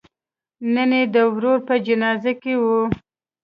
نن یې د ورور په جنازه کې و.